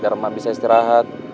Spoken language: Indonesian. biar emak bisa istirahat